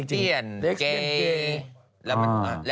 ก็คือเนี่ยแหละ